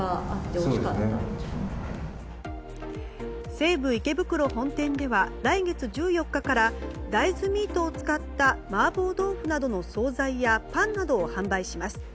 西武池袋本店では来月１４日から大豆ミートを使った麻婆豆腐などの総菜やパンなどを販売します。